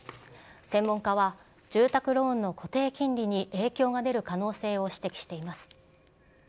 専門家は住宅ローンの固定金利に影響が出る可能性を指摘しています。